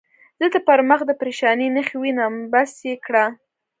زه دې پر مخ د پرېشانۍ نښې وینم، بس یې کړه.